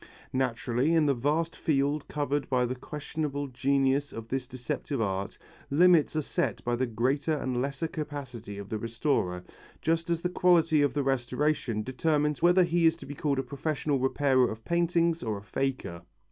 Naturally in the vast field covered by the questionable genius of this deceptive art, limits are set by the greater or lesser capacity of the restorer, just as the quality of the restoration determines whether he is to be called a professional repairer of paintings or a faker.